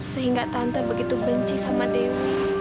sehingga tante begitu benci sama dewi